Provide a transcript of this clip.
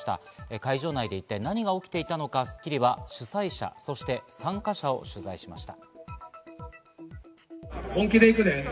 会場内で何が起きていたのか、『スッキリ』は主催者と参加者を取材しました。